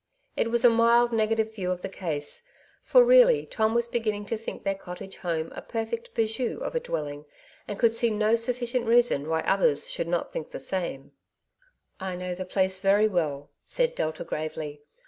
.It was a mild negative view of the case, for really Tom was beginning to think their cottage home a perfect W/otf of a dwelling, and could see no sufficient reason why others should not think the same. Farewell to Clement House. 179 " I know the place very well," said Delta gravely.